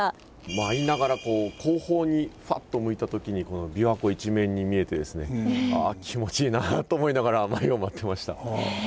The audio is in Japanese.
舞いながら後方にふぁっと向いた時にこの琵琶湖一面に見えてですねああ気持ちいいなと思いながら舞を舞ってました。